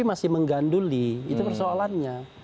masih mengganduli itu persoalannya